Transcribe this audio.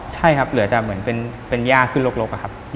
ใช่ครับเหลือแต่เหมือนเป็นย่าขึ้นลกอะครับ